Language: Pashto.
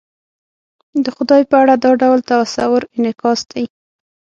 د خدای په اړه دا ډول تصور انعکاس دی.